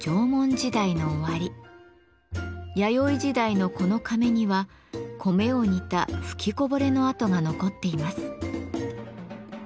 弥生時代のこの甕には米を煮た吹きこぼれの跡が残っています。